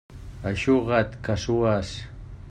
Eixuga't, que sues.